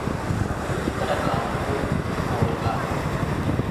యితర కామంబు గోరక